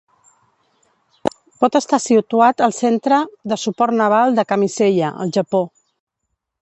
Pot estar situat al Centre de Suport Naval de Kamiseya, el Japó.